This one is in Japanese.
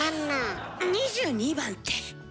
２２番って？